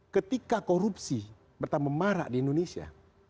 ketika korupsi bertambah marak di indonesia